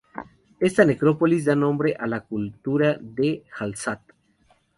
Esta necrópolis da nombre a la Cultura de Hallstatt.